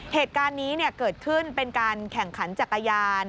เหตุการณ์นี้เกิดขึ้นเป็นการแข่งขันจักรยาน